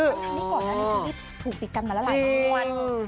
ทางนี้ก่อนเนี่ยเชอรี่ถูกติดกันมาหลายงวด